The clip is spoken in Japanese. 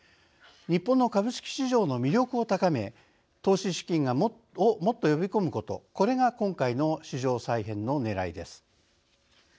日本の株式市場の魅力を高め投資資金をもっと呼び込むことこれが今回の市場再編のねらいです。